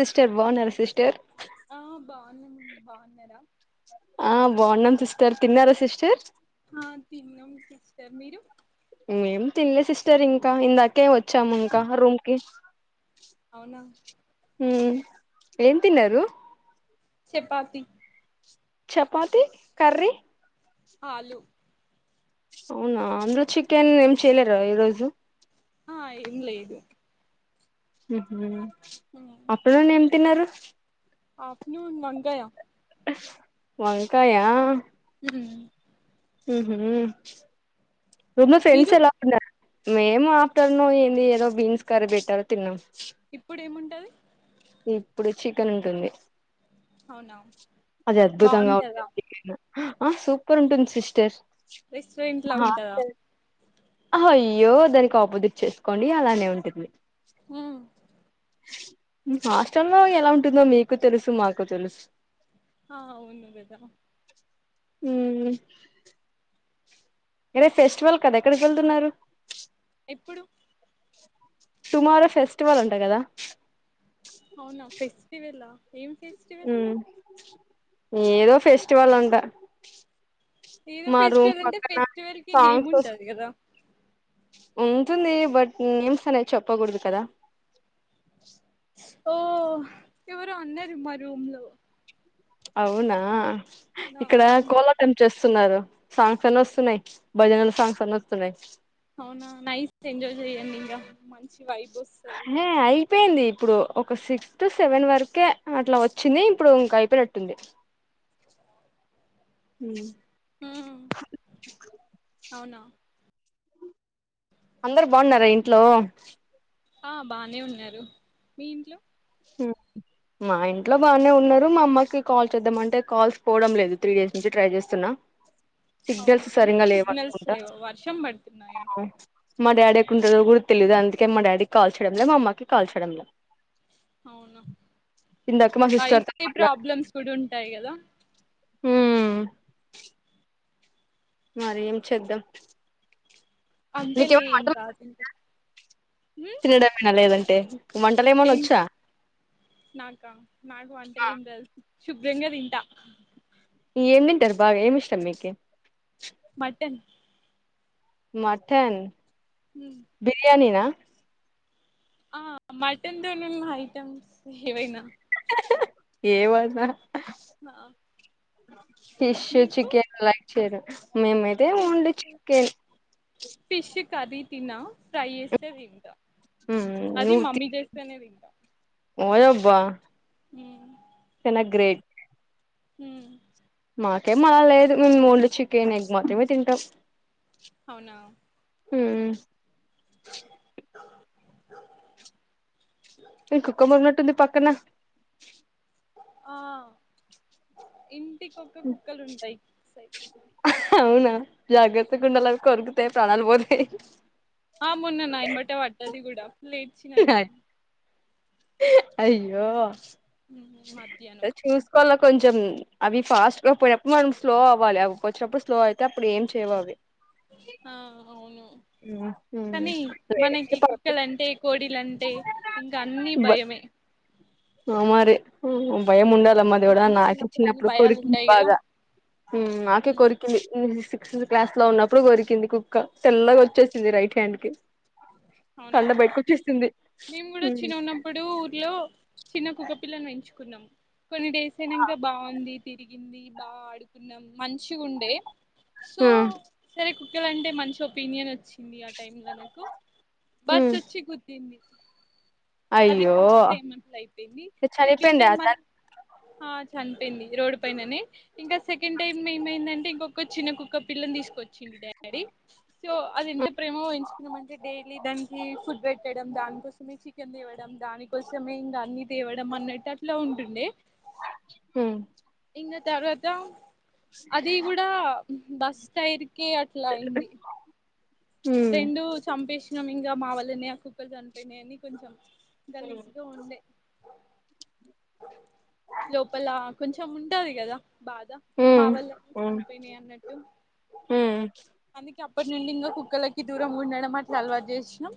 Sister బావున్నారా sister ఆ బావున్నా మీరు బాగున్నారా ఆ బావున్నాం సిస్టర్ తిన్నార సిస్టర్ ఆ తిన్నాం సిస్టర్ మీరు ఏం తినలే సిస్టర్ ఇంకా ఇందాకే వచ్చాము ఇంకా రూమ్ కి అవునా ఉమ్ ఏం తిన్నారు చపాతిీ చపాతి కర్రీ అలుూ అవునా అందులో చికెన్ ఏం చేయలేరా ఈ రోజు ఆ ఇంలే ఇదు హ అప్పుడు నుండి ఏం తిన్నారు ఆ ను మలగాయా వంకాయ హ ర ఫ్రెండ్స్ మీరు ఎలా ఉన్నా మేము ఆఫ్టర్నూన్ ఏంది ఏదో బీన్స్ కర్రీ పెట్టార తిన్నాం స ఇప్పుడు చికెన్ ఉంటుంది అవునా అది అద్భుతంగా బాగుంటదా ఉంది ఆ సూపర్ ఉంటుంది సిస్టర్ రెస్టారెంట్ లా ఉంటదా అహో అయ్యో దానికి ఆపోజిట్ చేసుకోండి అలానే ఉంటుంది ఉమ్, హాస్టల్ లో ఎలా ఉంటుందో మీకు తెలుసు మాకు తెలుసు ఆవును బేదా హ అరే ఫెస్టివల్ కదా ఎక్కడికి వెళ్తున్నారు ఎప్పుడు టుమారో ఫెస్టివల్ ఉంటాయి కదా అవునా ఫెస్టివెల్ ఏం ఫెస్టివల్ ఏదో ఫెస్టివల్ ఉంటా ఏదో ఫెస్టివల్ అంటే ఫెస్టివల్ కి నేమ్ సాంగ్స్ వస్ ఉంటది కదా ఉంటుంది బట్ నేమ్స్ అనే చెప్పకూడదు కదా ఓ ఎవరో అన్నారు మా రూమ్ లో అవునా ఇక్కడ నా కోలాటం చేస్త స్తున్నారు సాంగ్స్ వినస్తున్నాయి భజనా సాంగ్స్ వినస్తున్నాయి అవునా నైస్ ఎంజాయ్ చెయండి ఇంకా మంచి వైబ్ వస్తాది హే అయిపోయింది ఇప్పుడు ఒక సిక్స్ టు సెవెన్ వరకే అట్లా వచ్చింది ఇప్పుడు ఇంక అయిపోయినట్టుంది హమ్ హ అవునా అందరు బాగున్నారా ఇంట్లో ఆ బానే ఉన్నారు మీ ఇంట్లో హమ్ మా ఇంట్లో బాగానే ఉన్నారు మా అమ్మకి కాల్ చేద్దామ అంటే కాల్స్ పోవడం లేదు త్రీ డేస్ నుంచి ట్రై చేస్తున్నా అవునా సిగ్నల్స్ ఎందుకు సరిగా సిగ్నల్స్ లేవనుకుంటా లేవు వర్షం పడుతున్నాయా మా డాడీ ఎక్క ఉంటుందో కూడా తెలీయదు అందుకే మా డాడీకి కాల్ చేయడం లే మా అమ్మకిి కాల్ చేయడం లే అవునా సిస్టర్ వైఫ తో ప్రాబ్లమ్స్ కూడా ఉంటాయి కదా హమ్ మరి ఏం చేద్దాం అంతే లే నీకేమన్నా ఏం వంటలు కాదు ఇంకా తినడమేనా లేదంటే వంటలు ఏమన్నా ఏం వచ్చా నాకా నాకు వంటలు ఏం తెలుసు శుభ్రంగా తింటా ఏం తింటారు బాగా ఏమి ఇష్టం మీకు మటన్ మట్టన్ హ్మ్. బిర్యాని నా ఆ మటన్ తోనే ఐటమ్స్ ఏవైనా ఏమన్నా ఆ ఫిష్, మీకు చికెన్ లైక్ చేయరు, మేమైతే only fish chicken fish curry తిన, ఫ్రై చేస్తే తింట మ్మ్ అది నువ్వు తి మమ్మీ చేస్తేనే తిన్ ఓయబ్బా ఉమ్ చాలా గ్రేట్ హ్మ్ మాకేమో అలా లేదు మేమ్ ఓన్లీ చికెన్, ఎగ్ మాత్రమే తింటాం. అవునా [inaudible] మ్మ్ మి కుక్క మొరిగినట్టుమ్ది పక్కనా ఆ ఇన్ అవునా జాగ్రత్తగుండాలది కొరుకుత్ తే ప్రాణాలు పోతయి ఆ మొన్న నాయంబట పట్టది గూడా ఫుల్ ఏడ్చినా నేను అయ్యో ఉమ్ మధ్యాహ్నం చూసుకోవాల కొంచెం అవి ఫాస్ట్ గ పోయేప్పుడు మనం స్లో అవ్వాలి అవి వచ్చినప్పుడు స్లో అయితే అప్పుడు ఏం చేయవు అవి. ఆ అవును మ్మ్. మ్మ్. కనీ మనకి కుక్కలంటే కోడి డిలంటే ఇంక అన్ని బ భయమే ఆ మరి భయముండద్ లమ్మ దేవుడా మనిషి నాకే ఉన్నప్పుడు అన్ని చిన్నప్పుడు భయాలు కొరికింది ఉంటాయి కదా బాగా, ఉమ్ నాకె హ్మ్ కొరికింది క్స్ క్లాస్ లో ఉన్నప్పుడు కొరికింది కుక్క, తెల్లగా వచ్చేసింది రైట్ హ్యాండ్ కి. అవునా కండ బయటకొచ్చేసింది మేము గూడ చిన్నగున్నప్పుడు ఊర్లో చిన్న కుక్కపిల్లను బెంచుకున్నాం కొన్ని డేస్ అయినంక బావుంది తిరిగ్ గింది బా ఆడుకున్నాం, మంచిగుండే సో సరే కుక్ క్క లన్టె మంచి ఒపీనియన్ ఒచ్చింది ఆ టైం ల నాకు, బస్ ఒచ్చి గుద్దింది. దింది అది అయ్యో ఫస్ట్ టైం అట్లయిపోయింది సెకండ్ చనిపోయిందా టైమ్ అట్ ఆ చ్ చనిపోయింది రోడ్ పైననే, ఇంక సెకండ్ టైమ్ ఏమైందంటే ఇంకొక చిన్నకుక్క పిల్లన్ తీసుకొచ్చిన్ డాడీ సో అది ఎంత ప్రేమగ పెంచుకున్నమంటె డైలీ దానికి ఫుడ్ పెట్టడం దానికోసమే చికెన్ తేవడం, దానికోసమే ఇంకా అన్ని తేవడం అన్నట్టట్ ట్లో ఉంటుండే హ్మ్ ఇంగ తర్వాత అది గూడా బస్ టైర్ కే అట్లయింది రెండు చంపేస్ నం ఇంగా మావళ్లనే ఆ కుక్కలు చనిపోయినయని కొంచెం గలీజ్ గ ఉండే లోపల కొంచెం ఉంటది గదా బాద మా వాళ్లనే చనిపోయినయన్నట్టు అందుకే అప్పటి నుండింగ కుక్కలకి దూరం ఉండడం అట్లలవాటు చేసినం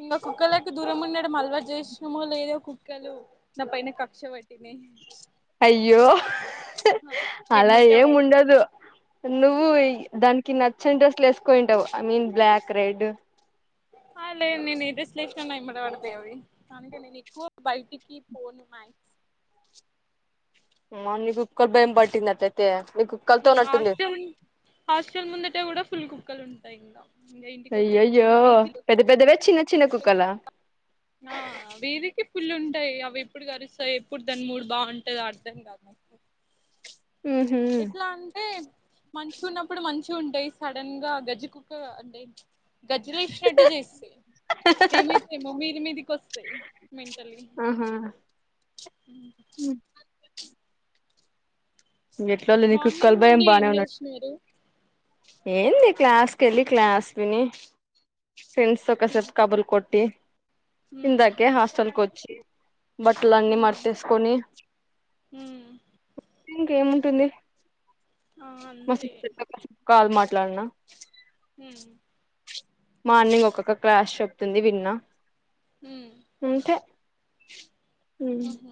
ఇంగ కుక్కలకు దూరం ఉండడం అలవాటు జేసీనమో లేదో కుక్కలు నా పైన కక్ష పెట్ అయ్యో అలా ఎంబటే ఏం ఉండదు. పడుతుంది నువ్వు ఇ దానికి నచ్చని డ్రెస్సులేసుకొని ఉంటవు ఐ మీన్ బ్లాక్ రెడ్ ఆ లేదు నేనే డ్రెస్సులేసిన నా ఎంబడ బడతయి అవి, అందుకె నేనిక్కువ బయటికి పోను మ్యాక్స్ మ్మో నీకు కుక్కల భయం బట్టింది అట్లయితే నీకు కుక్కలతో ఉమ్ ఉన్నట్టుంది హాస్టల్ హాస్టల్ ముందట గూడ ఫుల్ కుక్కలుంటయి ఇంగ. అయ్యయ్యో పెద్ద పెద్దవా చిన్న చిన్న కుక్కలా ఆ బీబీ కి ఫుల్లు ఉంటాయి అవి ఎప్పుడు కరుస్తాయి ఎప్పుడు దాని మూడు బాగుంటది అర్థం కాదు నాకు ఉహు ఎట్లా అంటే మంచికున్నప్పుడు మం చిగా ఉంటాయి సడన్ గా గజ్జి కుక్క అంటే గజ్జి లేచ్చినట్టు చేస్తాయి ఏమే చేయమో మీది మీదికి వస్తాయి మెంటల్ వీ ఆహా ఊ ఇంకా ఎట్లోలే నీ కుక్కల మార్నింగ్ భయం నుండి బానే ఏం ఉన్ చేసినారు ఏందీ క్లాస్ కేళ్లి క్లాస్ విని ఫ్రెండ్స్ తో కాసేపు కబుర్లు కొట్టి హ్మ్ ఇందాకే హాస్టల్ కి వచ్ బట్టలన్నీ హ్మ్ మడతేసుకుని హ్మ్ ఇంకేముంటుంది ఆ మా అంతే సిస్టర్ తో కాసేపు కాల్ మాట్లాడనా హ్మ్ మార్నింగ్ ఒక్కొక్క క్లాస్ చెప్తుంది విన్నా హ్మ్ అంతే హహ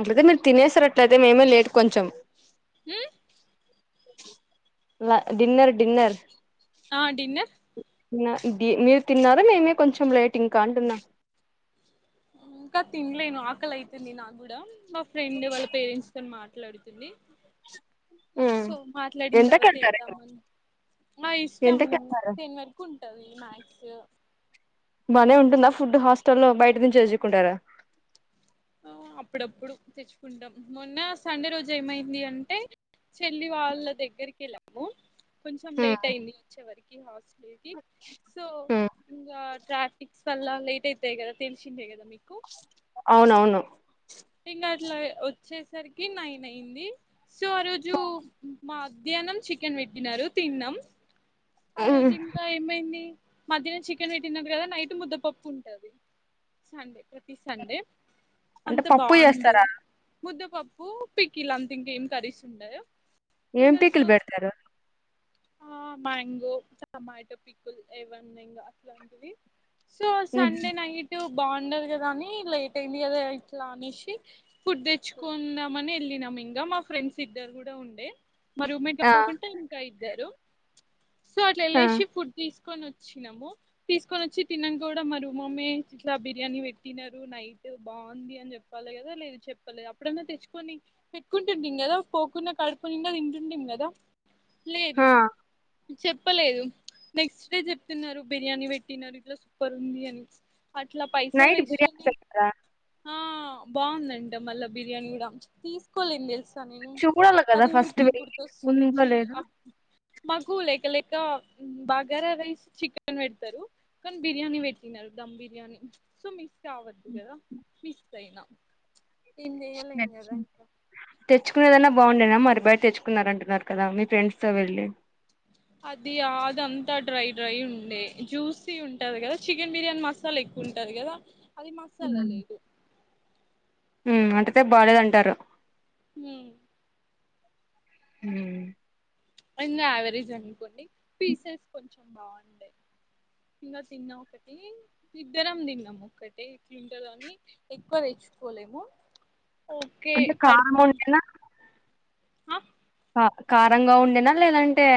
అట్లయితే మీరు తినేసారు అట్లయితే మేమే లేట్ కొంచెం హ్మ్ లా డిన్నర్ డిన్నర్ ఆ డిన్నర్ డి మీరు తిన్నారా మేమే కొంచెం లేట్ ఇంకా అంటున్నా ఇంకా తింలేను ఆకలి అయితుంది నాకు కూడా మా ఫ్రెండ్ వాళ్ళ పేరెంట్స్ తోని మాట్ ట్లాడుతుంది హ్మ్ సో మాట్లాడిన తర్వాత ఎంతకెళ్తారు వెళ్దామని మా ఇష్టము ఎంతకెళ్తారు టేన్ వరకు ఉంటది మ్యాక్స్ బానే ఉంటుందా ఫుడ్ హాస్టల్ బయట నుంచి ఎచ్చుకుంటారా ఆ అప్పుడప్పుడు తెచ్చుకుంటాం మొన్న సండే రోజు ఏమైంది అంటే చెల్లి వాళ్ళ దగ్గరికి వెళ్ళము కొంచం హ్మ్ లేట్ అయింది వచ్చే వరకి హాస్టల్ కి సో హ్మ్ ఇంగా ప్రాటిక్స్ వల్ల లేట్ అవుతాయి కదా తెలిసిందే కదా మీకు అవునవును ఇంకా అట్లా వచ్చేసరికి నైన్ అయింది సో ఆ రోజు మాధ్యాహ్నం చికెన్ పెట్టినారు తిన్నాం ఆ హ్మ్ రోజు ఇంకా ఏమైంది మధ్యాహ్నం చికెన్ పెట్టిన కదా నైట్ ముద్దపప్పు ఉంటది సండే ప్రతి సండే అంటే పప్పు చేస్తారా ముద్ద పప్పు పికిల్ అంత ఇంక ఏం కర్రి ఉండదు ఏం పికిల్ పెడతారు ఆ మ్యాంగో టమాటో పిక్కుల్ ఏవన్నాంగా అట్లాంటివి సో హుహు. సండే నైట్ బాగుండదు కదా అని లేట్ అయింది కదా ఇట్లా అనేసి ఫుడ్ తెచ్చుకుందాంమని వెళ్ళినాము ఇంకా మా ఫ్రెండ్స్ ఇద్దరు కూడా ఉండే మా రూమ్మేట్ ఆ కాకుండా ఇంకా ఇద్దరు సో అట్లా ఆ వెళ్ళేసి ఫుడ్ తీసు తీసుకని వచ్చినాము తీసుకొని వచ్చి తినం కూడా మమ్మీ ఇట్లా బిర్యానీ పెట్టినారు నైట్ బాగుంది చెప్పాలి కదా లేదు చెప్పలేదు అప్పుడన్న తెచ్చుకొని పెట్కుంటుంటీమ్ కదా పోకున్నా కడుపుని తింటున్ డిం కదా లేదు ఆ చెప్పలేదు నెక్స్ట్ డే చెప్తున్నారు బిర్యానీ పెట్టినరూ ఇట్లా సూపర్ ఉంది అని అట్లా పైసలు నైట్ బిర్యానీ వేస్ట్డి పెడతారా ఆ బాగుందంట మళ్ళా బిర్యానీ కూడా తీసుకోలేదు తెలుసు నేను చూడాలి కదా అది ఫస్ట్ ఊరికే వెళ్ళి గుర్తొస్తుంది ఉందో చ లేదో మగు లేకలే ఇంకా బగారా రైస్ చికెన్ పెడతారు కానీ బిర్యానీ పెట్టినారు దమ్ బిర్యానీ సుమిస్ కావద్దు కదా సైనా తెచ్చుకునేదన్నా బాగుండేనా మరి బయట తెచ్చుకున్నార అంటున్నారు కదా మీ ఫ్రెండ్స్ తో వెళ్ళి అది అదంతా డ్రై డ్రై ఉండే జ్యూసీ ఉంటది కదా చికెన్ బిర్యానీ మసాలా ఎక్కువ ఉంటది గదా అది మసాలా లేదు ఉమ్ అంటతే బాగాలేదంటారు మ్ హు అన్నీ యావరేజ్ అనుకోండి పీసెస్ కొంచెం బాగుండే ఇంకా తిన్నా ఒకటి ఇద్దరం తిన్నాం ఒక్కటె ఇట్ల ఉంటదని ఎక్కువ తె కులేము ఇంత కారణం ఉంటేనా ఆ కారంగా ఉండేనా లేదంటే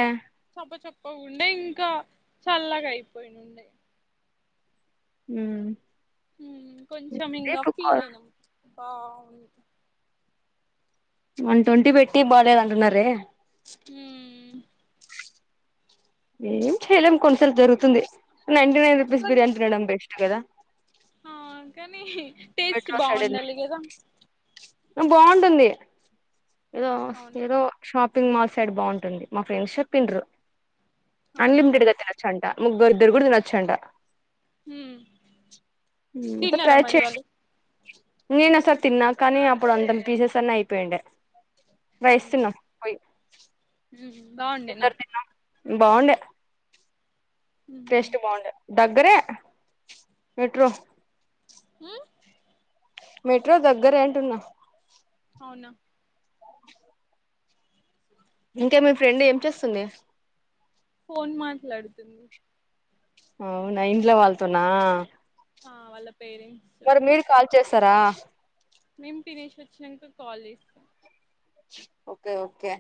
చప చప్ప ఉండే ఇంకా చల్లగా అయిపోయి ఉండే ఉమ్ కొంచెం ఇంకా ఫీల్ అయినాం బాగుంది వన్ ట్వంటీ పెట్టి బాలేదంటున్నారే మ్ ఏం చేయలేం కొన్నిసార్లు జరుగుతుంది నైన్టీ నైన్ రూపీస్ బిర్యానీ తినడం బెస్టు కదా ఆ కానీ టేస్ట్ మెట్రో సైడ్ వెళ్ళి బాగుండాలి కదా బాగుంటుంది ఏదో అవును ఏదో షాప్ షపింగ్ మాల్ సైడ్ బాగుంటుంది మా ఫ్రెండ్స్ చెప్పిండ్రు అవునా అన్లిమిటెడ్ గా తినచ్చంట ముగ్గురి ఇద్దరు కూడా తినొచ్చంట అయితే తిన్నారా ట్రై మరి చేయండి వాళ్ళు నేను ఒసార్ తిన్నా కానీ అప్పుడు అంతం పీసెస్ అన్ని అయిపోయుండే అవునా వయస్తున్నా పోయి బాగుండేనా ఇద్దరు తిన్నాం బాగుండే టేస్ట్ బాగుండే దగ్గరే మెట్రో హ్మ్ మెట్రో దగ్గరే అంటున్న అవునా ఇంకాే మీ ఫ్రెండ్ ఏం చేస్తుంది ఫోన్ మాట్లాడుతుంది అవునా ఇంట్లో వాళ్ళతోన్నా వాళ్ళ పేరెంట్స్ మరి మీరు కాల్ చేస్తారా మేం తినేసి వచ్చినంకా కాల్ చేస్తాం ఓకే ఓకే